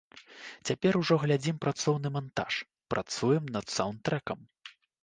Цяпер ужо глядзім працоўны мантаж, працуем над саўнд-трэкам.